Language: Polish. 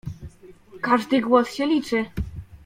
Każdy głos się liczy.